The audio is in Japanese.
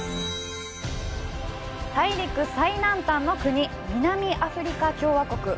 大陸最南端の国、南アフリカ共和国。